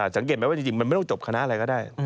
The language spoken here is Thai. สังเกตไหมว่าจริงมันไม่ต้องจบคณะอะไรก็ได้